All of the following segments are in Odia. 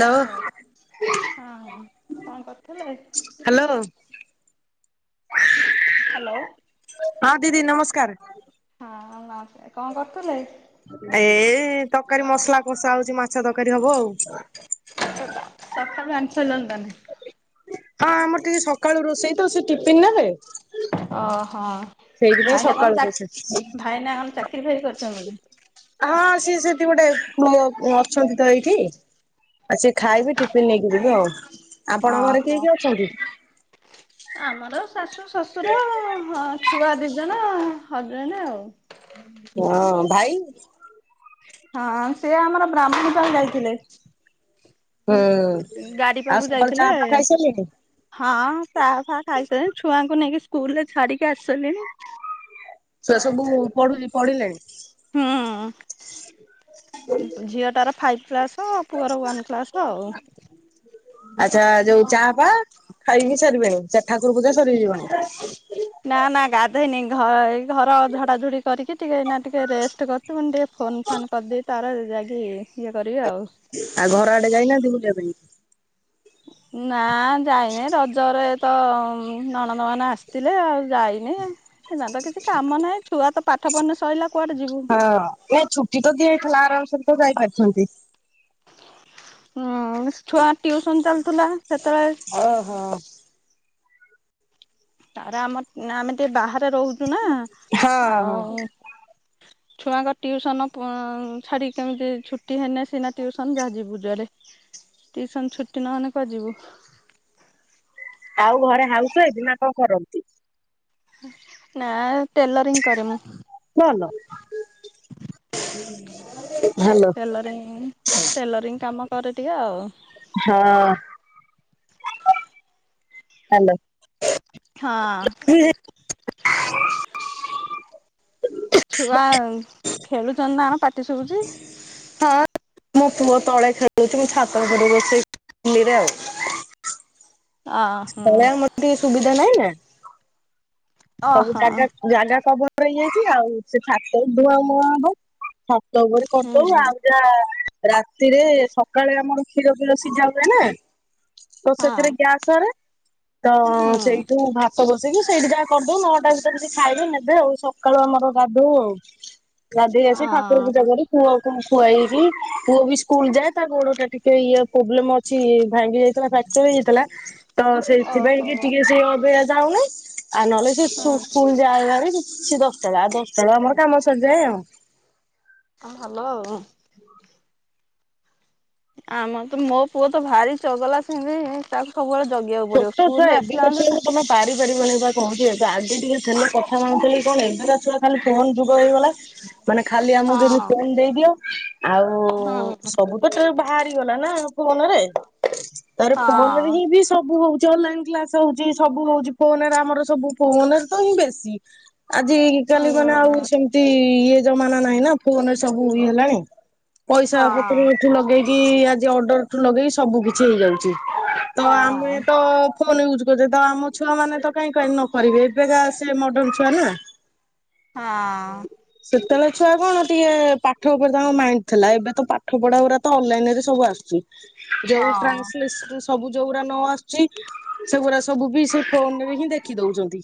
ହ୍ୟାଲୋ ହଁ କଣ କରଥିଲେ? ହ୍ୟାଲୋ ହଁ ହ୍ୟାଲୋ। ହଁ ଦିଦି ନମସ୍କାର। ହଁ ନମସ୍କାର କଣ କରୁଥିଲେ? ଏ ତରକାରୀ ମସଲା କଷା ହଉଛି ମାଛ ତରକାରୀ ହବ ଆଉ ବା ସକାଳୁ ଆଣି ସାଲଣି ତାଏଲେ। ହଁ ଆମର ଟିକେ ସକାଳୁ ରୋଷେଇ ତ ସେ ଟିଫିନ ନେବେ। ଓହୋ ସେଇଥିପାଇଁ ଭାଇନା ସକାଳୁ କଣ ଚା ରୋଷେଇ ଭାଇନା କଣ ଚାକିରି ଫାକିରି କରିଛନ୍ତି? ହଁ ସିଏ ସେଠି ଗୋଟେ ଅଛନ୍ତି ତ ଏଇଠି। ଆଉ ସେ ଖାଇବେ ଟିଫିନ ନେଇକି ଯିବେ ଆଉ। ଆପଣଙ୍କ ଘରେ କିଏ ଓହୋ। କିଏ ଅଛନ୍ତି? ଆମର ଶାଶୁ ଶଶୁର ହଁ ଛୁଆ ଦି ଜଣ ହ ବେନ୍ ଆଉ ହଁ ଭାଇ? ହଁ ସେ ଆମର ବ୍ରାହ୍ମଣୀ ଦ୍ଵାର ଯାଇଥିଲେ? ହୁଁ ଗାଡି ଆଉ ପାଖକୁ ସକାଳେୁ ଯାଇଥିଲେ। ଚାହା ଫା ଖାଇସାରିଲେଣି? ହଁ ଚାହା ଫା ଖାଇସାଣି। ଛୁଆଙ୍କୁ ନେଇକି ସ୍କୁଲ ରେ ଛାଡିକି ଆସିସାରିଲିଣି। ଛୁଆସବୁ ପଢୁଛି ପଢିଲେଣି? ହୁଁ। ଝିଅଟାର ଫାଇଭ୍ କ୍ଲାସ୍। ପୁଅର ୱାନ୍ କ୍ଲାସ୍ ଆଉ। ଆଚ୍ଛା ଯୋଉ ଚାହା ପାହା ଖାଇ ପିଇି ସାରିବେଣି? ସେ ଠାକୁର ପୂଜା ସରିଯିବଣି। ନା ନା ଗାଧେଇନି ଏ ଘର ଝଡାଝଡି କରିକି ଟିକେ ଟିକେ ରେଷ୍ଟ କରୁଛି। ମୁଁ ଟିକେ ଫୋନ ଫାନ୍ କରିଦେଇ ତାର ଯାଇକି ଇଏ କରିବି ଆଉ ଆଉ ଘର ଆଡେ ଯାଇନାହାନ୍ତି ବୁଲିବା ପାଇଁ? ନା ଯାଇନି ରଜରେ ତ ନଣନ୍ଦ ମାନେ ଆସିଥିଲେ। ଆଉ ଯାଇନି? ଏଇନା ତ କିଛି କାମ ନାହିଁ ଛୁଆ ତ ପାଠ ପଢନୁ ସରିଲା। ହଁ ନା ଛୁଟି ତ ଦିଆ ହେଇଥିଲା ଆରାମସରେ ତ ଯାଇପାରିଥାନ୍ତି। ହୁଁ ଛୁଆ ଟିଉସନ ଚାଲୁଥିଲା ସେତେବେଳେ? ଓହୋ। ତାର ଆମ ଆମେ ଟିକେ ବାହାରେ ରହୁଛୁ ନା ହଁ ହଁ ଆଉ। ଛୁଆଙ୍କ ଟିଉସନ ଛାଡିିକି କେମିତି ଛୁଟି ହେନା ସିନା ଟିଉସନ ଯାହା ଯିବୁ ଜୁଆଡେ? ଟ୍ଯୁସନ୍ ଛୁଟି ନହେଲେ କୁଆଡେ ଯିବୁ? ଆଉ ଘରେ ହାଉସ୍ ୱାଇଫ୍ ନା କଣ କରନ୍ତି? ନା-ଆ-ଆ ଟେଲରିଂ କରେ ମୁଁ। ଭଲ। ହାଲୋ। ଟେଲରିଂ-ଇ-ଇ ଟେଲରିଂ କାମ କରେ ଟିକେ ଆଉ। ହଁ। ହାଲୋ। ହଁ। ଛୁଆ-ଆ-ଅ ଖେଳୁଛନ୍ତି ନା ପା ହଁ ମୋ ପୁଅ ତଳେ ଖେଳୁଛି ମୁଁ ଛାତ ଉପରେ ବସି [unintelligible] ଆଉ। ଆ-ଆ ହୁଁ। [unintelligible] ଟି ସୁବିଧା ନାହିଁ ନା? ସବୁ ଓହୋ ଜାଗା ଜାଗା ସ କଭର ହେଇଯାଇଛି ଆଉ ସେ ଛାତ ଧୁଆ ମୁହାଁ ହବ ଛାତ ଉପରେ କରିଦଉ ହୁଁ ଆଉ ଯାହା ରାତିରେ ସକାଳେ ଆମର କ୍ଷୀର ଫିର ସିଝା ହୁଏ ନା, ତ ହଁ ସେଥିରେ ଗ୍ୟାସ୍ ସରେ ତ-ଅ-ଅ ହୁଁ ସେଇଠୁ ଭାତ ବସେଇକି ସେଇଠି ଯାହା କରିଦଉ ନଅଟା ଭିତରେ ସେ ଖାଇବେ ନେବେ ଆଉ ସକାଳୁ ଆମର ଗାଧଉ। ଗାଧେଇ ଆସି ଅ ଠାକୁର ପୂଜା କରି ପୁଅକୁ ମୁଁ ଖୁଆଇବି। ପୁଅ ବି ସ୍କୁଲ ଯାଏ। ତା ଗୋଡଟା ଟିକେ ଇଏ ପ୍ରୋବ୍ଲେମ ଅ ଛି ଭାଙ୍ଗି ଯାଇଥିଲା ଫ୍ରାକ୍ଚର ହେଇଯାଇଥିଲା। ତ ସେଥିପାଇଁ ଓହୋ କି ହୁଁ ଟିକେ ସିଏ ଅବିକା ଯାଉନି। ଆଉ ନହେଲେ ସେ ସ୍କୁ ସ୍କୁଲ ଯାଏ ଭାରି ସିଏ ଦଶଟାଳେ ଆଉ ଦଶଟା ବେଳେ ଆମର କାମ ସରିଯାଏ ଆଉ। ହଁ ଭଲ ଆଉ। ଆମର ତ ମୋ ପୁଅ ତ ଭାରି ଚଗଲା ସେମତି-ଇ-ଇ-ଇ ତା ସବୁବେଳେ ଜଗିବାକୁ ପଡିବ। ଛୋଟ ଛୁଆ ସ୍କୁଲରୁୁ ଏବେକା ଆସିଲା ମାନେ ଛୁଆକୁ ତା ତମେ ପାରି ପାରିବନି ତାକୁ ଯେ ଆଗେ ଟିକେ ଥେଲେ କଥା ମାନୁ ଥିଲେକି କଣ ଏବେକା ଛୁଆ ଖାଲି ଫୋନ୍ ଯୁଗ ହେଇଗଲା। ମାନେ ଖାଲି ଆମକୁ ହଁ କେମିତି ଫୋନ୍ ଦେଇଦିଅ ଆଉ-ଉ-ଉ-ଉ ହଁ ସବୁ ଟୋଟାଲି ବାହାରି ଗଲା ନା ଫୋନ ରେ ତା ପରେ ଫୋନ ରେ ହଁ ହିଁ ବି ସବୁ ହଉଛି ଅନଲାଇନ କ୍ଲାସ ହଉଛି ସବୁ ହଉଛି ଫୋନରେ ଆମର ସବୁ ଫୋନରେ ତ ହିଁ ବେଶୀ। ଆଜି ହୁଁ କାଲି ମାନେ ଆଉ ସେମିତି-ଇ-ଇ ଇଏ ଜମାନା ନାହିଁ ନା ଫୋନରେ ସବୁ ଇଏ ହେଲାଣି। ପଇସା ହଁ ପତ୍ରଠୁ ଲଗେଇକି-ଇ-ଇ ଆଜି ଅର୍ଡରଠୁ ଲଗେଇକି ସବୁ କିଛି ହେଇଯାଉଛି। ତ ଆମ ହଁ ତ ଫୋନ ୟୁଜ୍ କରୁଛେ ତ ଆମ ଛୁଆ ମାନେ ତ କାଇଁ କାଇ ନ କରିବେ ଏବେ କା ସେ ମର୍ଡନ ଛୁଆ ନା। ହଁ ଆଁ। ସେତେବେଳେ ଛୁଆ କଣ ଟିକେ ପାଠ ଉପରେ ତାଙ୍କ ମାଇଣ୍ଡ ଥିଲା ଏବେ ତ ପାଠ ପଢା ଗୁରା ତ ଅନଲାଇନ ରେ ସବୁ ଆସୁଛି ଯଉ ହଁ ଟ୍ରାନ୍ସଲେସନ ସବୁ ଯଉ ଗୁରା ନ ଆସୁ ଛି ସେଗୁରା ସବୁ ବି ସେ ଫୋନ ରେ ହିଁ ଦେଖି ଦଉଛନ୍ତି।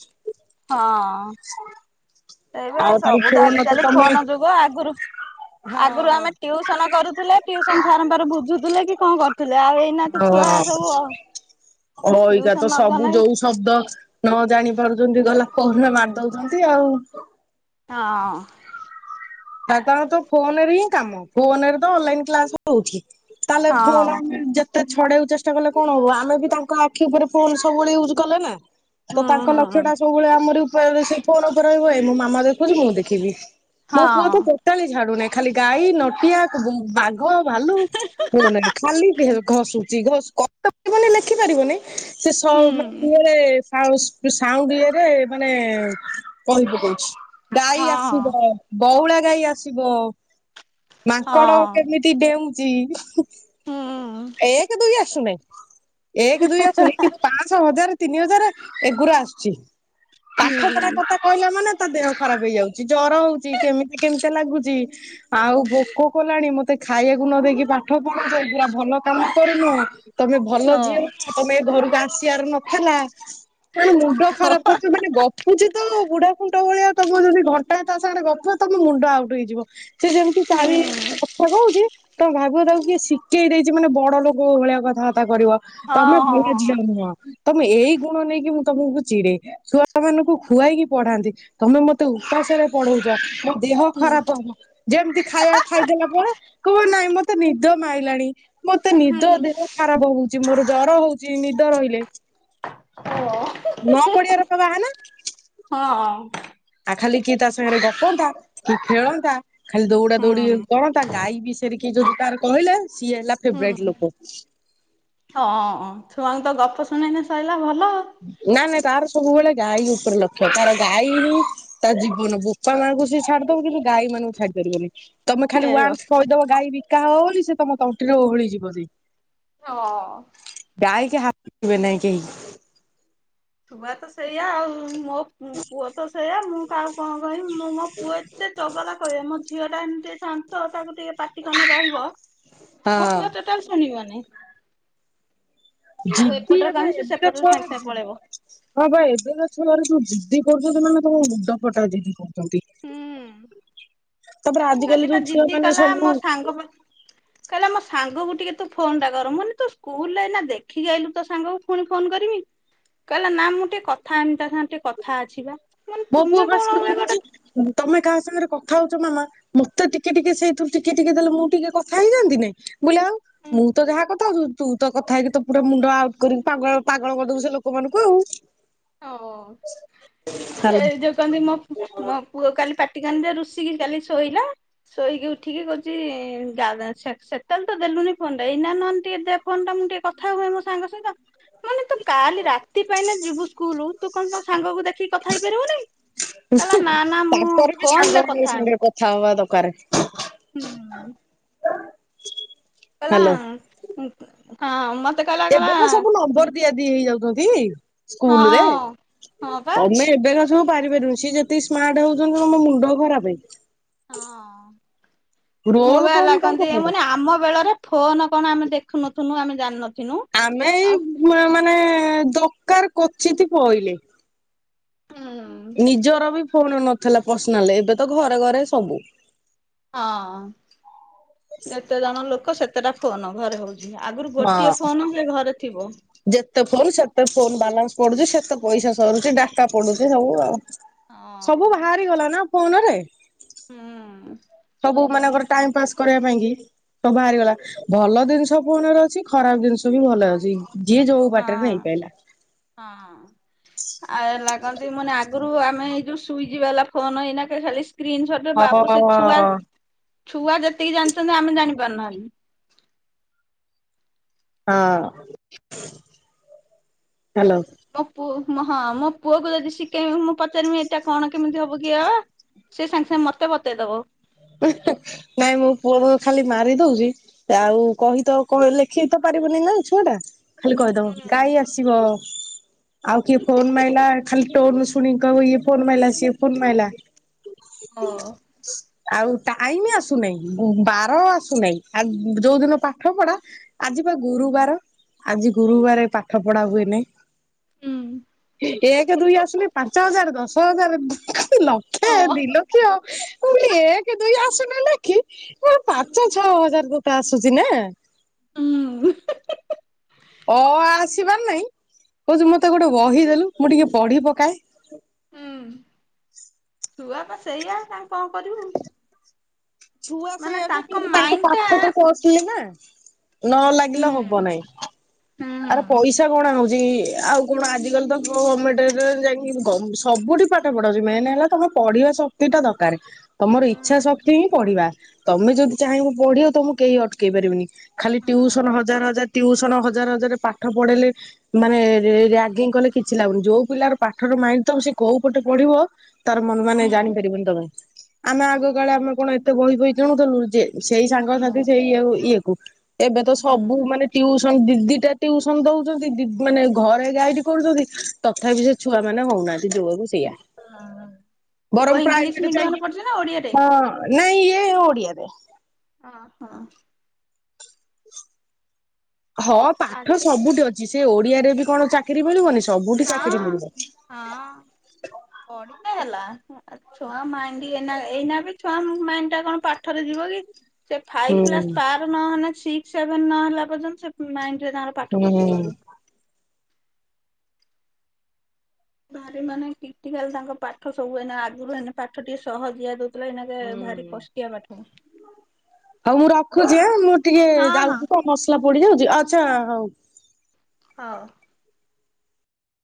ହଁ ଅଁ ସେଇଵା ଆଉ ତାହେଲେ ସବୁ ତ ଫୋନ ଆଜିିକାଲି ତମେ ଫୋନ ଯୁଗ ଆଗରୁ ଆଗରୁ ହଁ। ଆମେ ଟିଉସନ କରୁଥିଲେ ଟିଉସନ ସାର ଙ୍କ ପାଖରୁ ବୁଝୁଥିଲେ କି କଣ କରୁଥିଲେ ଆଉ ଏଇ ହଁ ଅଁ ଅଇକା ଟିଉସନ ତ ସବୁ ନଗଲେ ଯୋଉ ଶବ୍ଦ ନ ଜାଣି ପାରୁଛନ୍ତି ଗଲା ଫୋନ୍ ରେ ମାରି ଦଉଛନ୍ତି ଆଉ। ହଁ ଅଁ। ତାଙ୍କର ତ ଫୋନରେ ହିଁ କାମ ଫୋନରେ ତ ଅନଲାଇନ କ୍ଲାସ ରହୁଛି। ତା ହେଲେ ଫୋନ ହଁ ଯେ ତେ ଛଡେଆକୁ ଚେଷ୍ଟା କଲେ କଣ ହବ ଆମେ ବି ତାଙ୍କ ଆଖି ଉପରେ ଫୋନ ସବୁବେଳେ ୟୁଜ୍ କଲେ ନା। ହୁଁ ତ ତାଙ୍କ ହୁଁ ଲକ୍ଷ୍ୟ ଟା ସବୁବେଳେ ଆମର ଉପେରେ ସେ ଫୋନ ଉପରେ ହୁଏ ଏ ମୋ ମାମା ଦେଖୁଛି ମୁଁ ଦେଖିବି। ମୋ ହଁ ପୁଅ ତ ଟୋଟାଲୀ ଛାଡ଼ୁନାହିଁ ଖାଲି ଗାଈ ନଟିଆ ବୁ-ଉ-ଉ ବାଘ ଘ ଭାଲୁ ଫୋନ ରେ ଖାଲି ଘେ ଘଷୁଛି ଘଷ୍ [unintelligible] ପାରିବନି ଲେଖିପାରିବନି ସେ ସ ହୁଁ ମାନେ ରେ [unintelligible] ସାଉଣ୍ଡ ଇଏରେ ମାନେ-ଏ-ଏ କହି ପକଉଛି ହଁ ଗାଈ ଆସିବ। ବଉଳା ଗାଈ ଆସିବମାଙ୍କଡ ହଁ କେମିତି ଡେଉଁଚି। ହୁଁ ଏକ ଦୁଇ ଆସୁନାଇଁ ଏକ ଦୁଇ ଆସୁନି କିନ୍ତ ପାଂସ ହଜାର ତିନି ହଜାର ଏଗୁରା ଆସୁଛି ପାଠପଢା ହୁଁ କଥା କହିଲା ମାନେ ତା ଦେହ ଖରାପ ହେଇଯାଉଛି ଜର ହଉଛି କେମିତିକେମିତିଆ ଲାଗୁଛି। ଆଉ ଭୋକ କଲାଣି ମତେ ଖାଇବାକୁ ନ ଦେଇକି ପାଠ ପଢଉଚ୍ଚ ଏଗୁରା ଭଲ କାମ କରୁନ ତମେ ଭଲ ଝିଅ ହଁ ନୁହଁ ତମେ ଏ ଘରକୁ ଆସିବାର ନଥିଲା। ମାନେ ମୁଣ୍ଡ ଖରାପ କରୁଚି ମାନେ ଗ ପୁଚି ତ ଅ ବୁଢା ଖୁଣ୍ଟ ଭଳିଆ ତମେ ଯଦି ଘଣ୍ଟାଏ ତା ସାଙ୍ଗରେ ଗପିବ ତମ ମୁଣ୍ଡ ଆଉଟ୍ ହେଇଯିବ। ସେ ଯେମିତି ଚାରି କଥା କହୁଛି ତମେ ଭାବିବ ତାକୁ କିଏ ଶିଖେଇ ଦେଇ ଚି ମାନେ ବଡ ଲୋକ ଭଳିଆ କଥାବାର୍ତ୍ତା କରିବ ତମେ ହଁ ହଁ ଭଲ ହଁ ଝିଅ ନୁହଁ ତମେ ଏଇ ଗୁଣ ନେଇକି ମୁଁ ତମକୁ ଚିଡେ। ଛୁଆ ମାନଙ୍କୁ ଖୁଆଇକି ପଢାନ୍ତି ତମେ ମତେ ଉପାସରେ ପଢଉଛ ମୋ ଦେହ ହୁଁ ଖରାପ ହବ ଯେମିତି ଖାଇବା ଖାଇଦେଲା ପରେ କହିବ ନାଇଁ ମତେ ନିଦ ମାଇଲାଣି ମତେ ନିଦ ଦେହ ହୁଁ ଖରାପ ହଉଛି ମୋର ଜର ହଉଛିି ନିଦ ରହିଲେ। ହଁଅଁ ନ ପଡିବାର ପା ବାହାନା ଊଂହୁ ହଁ। ଆଉ ଖାଲି କିଏ ତା ସାଙ୍ଗରେ ଗପନ୍ତା କି ଖେଳନ୍ତା ଖାଲି ଦୌଡା ହଁ ଦୌଡି କରନ୍ତା ଗାଈ ବି ଷ ଶୟରେ କିଏ ଯଦି ତାର କହିଲେ ସିଏ ହେଲା ହୁଁ ଫେବରାଇଟ ହୁଁ ଲୋକ ହଁ ଅଁ ଛୁଆଙ୍କୁ ତ ଗପ ଶୁଣେଇନେ ସଇଲା ଭଲ ଆଉ। ନା ନାଇ ତାର ସବୁବେଳେ ଗାଈ ଉପରେ ଲକ୍ଷ୍ୟ ତାର ଗାଈ ହିଁ ତା ଜୀବନ ବୋପା ମା ଙ୍କୁସେ ଛାଡିଦବ କିନ୍ତୁ ଗାଈ ମାନଙ୍କୁ ଛାଡି ପାରିବନି। ତମେ ଏ ଖାଲି ବ ୱାନ୍ସ କହିଦବ ଗାଈ ବିକା ହବ ବୋଲି ସେ ତମ ତଣ୍ଟିରେ ଓହଳି ଯିବ ସେଇ ହଁ ଅଁ। ଗାଈ କି ହାତ ଦେବେ ନାହିଁ କେହି। ଛୁଆ ତ ସେଇଆ ଆଉ ମୋ ପୁ ପୁଅ ତ ସେଇଆ ମୁଁ କହାକୁ କଣ କହିବି ମୁଁ ମୋ ପୁଅ ଏତେ ଚଗଲା କହିଵା ର ନାହିଁ ମୋ ଝିଅ ଟା ଏମିତି ଶାନ୍ତ ତାକୁ ଟିକେ ପାଟି କନେ ରହିବ ମୋ ହଁ ପୁଅ ତ ଟ ଶୁଣିବନି। ତାକୁ ଯିଦି ଏପଟରେ ଏବେ କହିମି ସେ ଏବେକା ସେପଟରେ ସାଙ୍ଗେ ଛୁଆର ସାଙ୍ଗେ ଯି ପଳେଇବ। ହଁ ବା ଏବେକା ଛୁଆ ଉରା ଯୋଉ ଯିଦି କରୁଛନ୍ତି ମାନେ ତମ ମୁଣ୍ଡ ଫଟା ଯିଦି କରୁଛନ୍ତି। ହଁ। ତାପରେ ଆଜିକାଲି କାଲି ବା ଯୋଉ ଛୁଆ ଜିଦି ମାନେ କଲା ସବୁ ମୋ ସାଙ୍ଗ ପା କଇଲା ମୋ ସାଙ୍ଗକୁ ଟିକେ ତୁ ଫୋନ ଟା କର ମୁଁ କନି ତୁ ସ୍କୁଲରେ ଏଇନା ଦେଖିକି ଆଇଲୁ ତୋ ସାଙ୍ଗକୁ ପୁଣି ଫୋନ କରିବି କହିଲା ନା ମୁଁ ଟିକେ କଥା ହେମି ତା ସାଙ୍ଗରେ ଟିକେ କଥା ଅଛିିବା। ମୋ ପୁଅ ବା ସେମିତି କହୁଛି କହୁଚି ତମେ କାହା ସାଙ୍ଗରେ କଥା ହଉଛ ମାମା ମତେ ଟିକେ ଟିକେ ସେଇଥିରୁ ଟିକେ ଟିକେ ଦେଲେ ମୁଁ ଟିକେ କଥା ହେଇଯାଆନ୍ତି ନାଇ। ମୁଁ କଲି ଆଉ ମୁଁ ହୁଁ ତ ଯାହା କଥା ହଉଚି ହ ତୁ ତ କଥା ହେଇକି ତ ପୁରା ମୁଣ୍ଡ ଆଉଟ କରିକି ପ ପାଗଳ କରିଦବୁ ସେ ଲୋକମାନଙ୍କୁ ଆଉ। ହ ସେ ହେଲା ଯୋଉ କନ୍ତି ମୋ ମୋ ପୁଅ କାଲି ପାଟି କନି ଯେ ରୁଷିକି କାଲି ଶୋଇଲା। ଶୋଇକି ଉଠିକି କହୁଛି ଜା ଜା ସେ ସେ ସେତେବେଳେ ତ ଦେଲୁନି ଫୋନ୍ଟା ଏଇନା ନହେନେ ଟିକି ଦେ ଫୋନ୍ ଟା ମୁଁ ଟିକେ କଥା ହୁଏ ମୋ ସାଙ୍ଗ ସହିତ ମାନେ ତ କାଲି ରାତି ପାଇନେ ଯିବୁ ଷ୍କୁ ସ୍କୁଲୁ ତୁ କଣ ତ ସାଙ୍ଗକୁ ଦେଖିକି କଥା ହେଇପାରିବୁନେଇ। କହିଲ ନା ନା ମୁଁ ତାପରେ ବି ଫୋନ ରେ ସାଙ୍ଗମାନଙ୍କ କଥା ହେମି। [unintelligible] ହୁଁ। କଲା ହ୍ୟାଲୋ। ଉଁ ହଁ ମତେ କଲା କଲା ଉଁ ନେଇ ଯାଉଚନ୍ତି ସ୍କୁଲରେ ହଁ ପା ତମେ ଏବେ କ ସବୁ ପାରି ପାରୁବୁ ସିଏ ଯେତିକି ସ୍ମାର୍ଟ ହଉଛନ୍ତି ତମ ମୁଣ୍ଡ ଖରାପ ହେ ହଁ ମୁଁ ରୋଲ କମ ବାଲା ତାଙ୍କ କନ୍ତି ମୁ କଣ, କନି ଆମ ବେଳର ଫୋନ କଣ ଆମେ ଦେଖୁ ନଥିନୁ ଆମେ ଜାଣିନଥିନୁ। ଆମେ ଏଇ ଆଉ ଅ ମାନେ ଦରକାର କୋଚିତ୍ ପଇଲେ। ହୁଁ ହ। ନିଜର ବି ଫୋନ ନଥିଲା ପର୍ସନାଲ ଏବେ ତ ଘରେ ଘରେ ସବୁ। ହଁ ଯେତେ ଜଣ ଲୋକ ସେତେଟା ଫୋନ ଘରେ ହଉଛି। ଆଗରୁ ହଁ। ଗୋଟିଏ ଫୋନ ସେ ଘରେ ଥିବ। ଯେତେ ଫୋନ୍ ସେତେ ଫୋନ୍ ବାଲାନ୍ସ ପଡୁଛି ସେତେ ପଇସା ସରୁଛି ଡାଟା ପଡୁଛି ସବୁ ଆଉ ସବୁ ହଁ ବାହାରି ଗଲା ନା ଫୋନ ରେ ହୁଁ। ସବୁ ମାନଙ୍କର ଟାଇମ ପାସ୍ କରିବା ପାଇଁ କି? ତ ବାହାରିଗଲା ଭଲ ଜିନିଷ ପୁଣିରେ ଅଛି ଖରାପ ଜିନିଷ ବି ଭଲରେ ଅଛି। ଯିଏ ଯୋଉ ହଁ ବାଟରେ ନେଇ ପାଇଲା। ହଁ। ଆ ଲାଗନ୍ତି ମାନେ ଆଗରୁ ଆମେ ଏଇ ଯୋଉ ସୁଇଚ ବାଲା ଫୋନ ଏଇନା ଖାଲି ସ୍କ୍ରିନ୍ ସଟ୍। ଗୋଟେ ହଁ। ବାବୁ ସେ ଛୁଆ ହଁ ଛୁଆ ଯେତିକି ଜାଣିଛନ୍ତି ଆମେ ଜାଣିପାରୁନାହାନ୍ତି। ହଁ ହାଲୋ। ମୋ ପୁଅ ହଁ ମୋ ପୁଅକୁ ଯଦି ଶିଖେଇବି ମୁଁ ପଚାରିବି ଏଇଟା କଣ କେମିତି ହବ କି ବାବା? ସେ ସାଙ୍ଗେ ସାଙ୍ଗେ ମତେ ବତେଇଦବ। ନାଇଁ ମୁଁ ମୋ ପୁଅକୁ ଖାଲି ମାରି ଦଉଛି। ଆଉ କହିତ୍ ଲେଖେଇ ତ ପାରିବନି ନା ଛୁଆଟା। ଖାଲି କହିଦବ ହୁଁ। ଗାଈ ଆସିବ ଆଉ କିଏ ଫୋନ ମାରିଲା ଖାଲି ଟୋନ୍ ସୁ ଫୁଣି କହିଁବ ଇଏ ଫୋନ ମାଇଲା ସିଏ ଫୋନ ମାଇଲା। ହଁ। ଆଉ ଟାଇମ ଆସୁନାହିଁ ବାର ଆସୁନାହିଁ ଆ ଯୋଉଦିନ ପାଠ ପଢା। ଆଜି ବା ଗୁରୁବାର ଆଜି ଗୁରୁବାର ପାଠ ପଢା ହୁଏ ନାହିଁ। ହୁଁ। ଏକ ଦୁଇ ଆସୁନି ପାଞ୍ଚ ହଜାର ଦଶ ହଜାର। ଅ ଲକ୍ଷେ, ଦି ଲକ୍ଷ। ମୁଁ କହିଲି ଏକେ, ଦୁଇ ଆସୁନେଇ ଲେଖି କଣ ପାଞ୍ଚ, ଛଅ ହଜାରେ ତୋତେ ଆସୁଚି ନାଁ। ଉଁ। ଅ, ଆ ଆସିବାର ନାଇଁ କହୁଚି ମତେ ଗୋଟେ ବହିଦେଲୁ ମୁଁ ଟିକେ ପଢି ପକାଏ। ହୁଁ, ଛୁଆ ପା ସେଇଆ ତାଙ୍କୁ କଣ କରିବୁ? ଛୁଆ ମାନେ ସେଇଆ ଯେ, କିନ୍ତୁ ତାଙ୍କ ମାଇଣ୍ଡ ଟା ପାଠ ତ କଷଲି ନାଁ? ନ ହୁଁ ଲାଗିଲେ ହବ ନାଇଁ। ହୁଁ ଆର ପଇସା ଛା ଗଣା ହଉଚି ଆଉ କଣ ଆଜିକାଲି ତ ଗମେଟେରେ ଯାଇକି ଗମ୍ ସବୁଠି ପାଠ ପଢାହଉଚି ମେନ୍ ହେଲା ତମ ପଢିବା ଶକ୍ତିଟା ଦକାରେ। ତମର ହୁଁ ଇଚ୍ଛା ହୁଁ। ଶକ୍ତି ହିଁ ପଢିବା ତମେ ଯଦି ଚାହିଁବ ପଢିଆକୁ ତମୁକୁ କେହି ଅଟକେଇ ପାରିବେନି? ଖାଲି ଟିଉସନ ହଜାର, ହଜାର ଟିଉସନ ହଜାର, ହଜାର ପାଠ ପଢେଇଲେ ମାନେ ରାଗିଙ୍ଗ କଲେ କିଛି ଲାଗୁନି ଯୋଉ ପିଲାର ପାଠରୁ ମାଇଣ୍ଡ ଥବ ସେ କୋଉ ପଟେ ପଢିବ ତାର ମନ ମାନେ ହୁଁ ଜାଣିପାରିବନି ତମେ। ଆମେ ଆଗ କାଳେ ଆମେ କଣ ଏତେ ବହି ଫଇ କିଣୁଥିଲୁ ଯେ ସେଇ ହୁଁ ସାଙ୍ଗସାଥି ସେଇ ଇଏ ଇଏ କୁ ଏବେ ତ ସବୁ ହୁଁ ମାନେ- ଟିଉସନ ଦି, ଦି ଟା ଟିଉସନ ଦଉଚନ୍ତି ଦି ମାନେ ଘରେ ଗାଇଡ କରୁଚନ୍ତି ତଥାପି ସେ ଛୁଆ ମାନେ ହୋଉନାହାନ୍ତି ଯୋଉଆକୁ ସେଇଆ। ପୁଅ ବରଂ ଇଂଲିଶ ପ୍ରାଇଭେଟ ମିଡିୟମରେ ଚାଇଙ୍କି ପଢୁଛି ନା ଓଡିଆରେ? ହଁ ନାଇଁ ଇଏ ଓଡ଼ିଆରେ। ଅ ହ। ହଁ, ପାଠ ଆଚ୍ଛା ସବୁଠି ଅଛି ସେ ଓଡିଆରେ ବି କଣ ଚାକିରି ମିଳିବନି ସବୁଠି ଚାକିରି ହଁ ମିଳିବ? ହଁ, ପଢ଼ିତେ ହେଲା। ଆ ଛୁଆ ମାଇଣ୍ଡ ଏଇନା ଏଇନା ବି ଛୁଆ ମାଇଣ୍ଡ ଟା କଣ ପାଠରେ ଯିବ କି? ସେ ହୁଁ ଫାଇପ୍ କ୍ଲାସ ପାର ନହେନେ ସିକ୍ସ ସେଭେନ ନ ହେଲା ପର୍ଯ୍ୟନ୍ତ ସେ ମାଇଣ୍ଡ ରେ ତାଙ୍କର ପାଠ ହୁଁ। ପଶିବନି। ଭାରି ମାନେ କ୍ରିଟିକାଲ ତାଙ୍କ ପାଠ ସବୁ ଏଇନା ଆଗୁରୁ ହେନେ ପାଠ ଟିକେ ସହଜିଆ ଦୋଉ- ହୁଁ, ହଉ ମୁଁ ରଖୁଛି ଆଁ ମୁଁ ଟିକେ ହଁ ଯାଉଚି ତ। ମସଲା ପୋଡି ଯାଉଚି ଆଚ୍ଛା ହଉ। ହଉ।